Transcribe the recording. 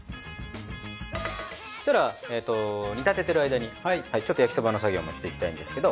そしたら煮立ててる間にちょっと焼きそばの作業もしていきたいんですけど。